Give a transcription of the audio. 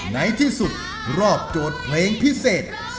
ในที่สุดรอบโจทย์เพลงพิเศษ